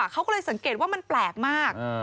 เขาก็เลยสังเกตว่ามันแปลกมาก